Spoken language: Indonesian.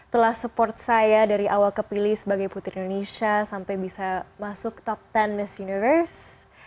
telah support saya dari awal kepilih sebagai putri indonesia sampai bisa masuk top sepuluh miss universe